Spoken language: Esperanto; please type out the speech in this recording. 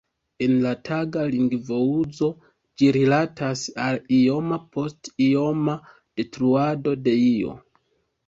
En la taga lingvouzo ĝi rilatas al ioma post ioma detruado de io.